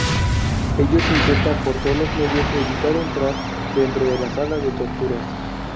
Ellos intentan por todos los medios evitar entrar dentro de la sala de torturas.